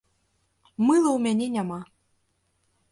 Мыла ў мяне няма.